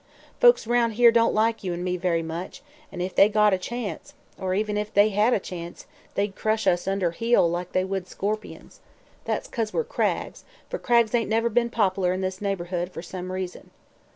Folks aroun' here don't like you an' me very much, an' if they got a chance or even thought they had a chance they'd crush us under heel like they would scorpions. That's 'cause we're Craggs, for Craggs ain't never be'n poplar in this neighborhood, for some reason.